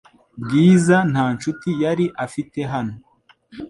Bwiza nta nshuti yari afite hano .